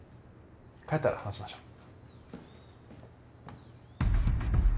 帰ったら話しましょう。